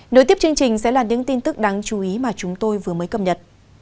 nối tiếp chương trình sẽ là những tin tức đáng chú ý mà chúng tôi vừa mới cập nhật